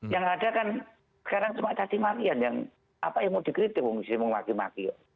yang ada kan sekarang cuma tadi marian yang apa yang mau dikritik mau maki maki